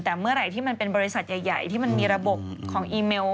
แต่เมื่อไหร่ที่มันเป็นบริษัทใหญ่ที่มันมีระบบของอีเมล